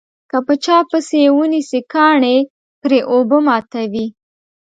که په چا پسې یې ونسي کاڼي پرې اوبه ماتوي.